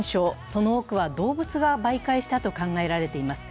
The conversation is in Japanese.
その多くは動物が媒介したと考えられています。